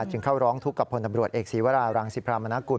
จึงเข้าร้องทุกข์กับพลตำรวจเอกศีวรารังสิพรามนากุล